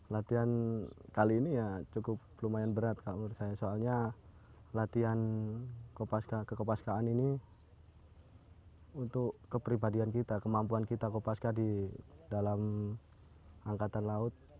latihan kali ini ya cukup lumayan berat soalnya latihan ke kopaskaan ini untuk kepribadian kita kemampuan kita kopaska di dalam angkatan laut